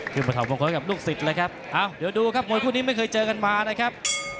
มาถอดมงคลกับลูกศิษย์เลยครับเดี๋ยวดูครับมวยคู่นี้ไม่เคยเจอกันมานะครับ